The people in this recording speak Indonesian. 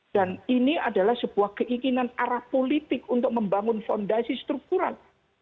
dan ini adalah sebuah keinginan arah politik untuk membangun fondasi struktural